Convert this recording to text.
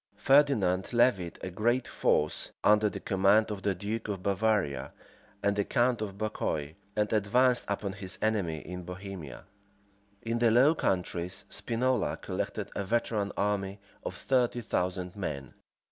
Ferdinand levied a great force, under the command of the duke of Bavaria and the count of Bucquoy, and advanced upon his enemy in Bohemia. In the Low Countries, Spinola collected a veteran army of thirty thousand men.